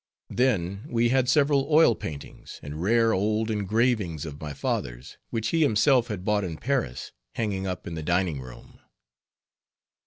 Then we had several oil paintings and rare old engravings of my father's, which he himself had bought in Paris, hanging up in the dining room.